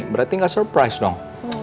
berarti gak surprise dong